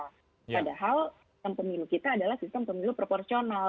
padahal sistem pemilu kita adalah sistem pemilu proporsional